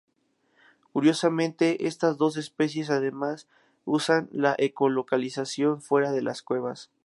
Curiosamente estas dos especies además usan la ecolocalización fuera de las cuevas.